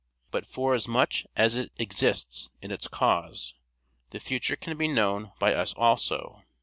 But forasmuch as it exists in its cause, the future can be known by us also.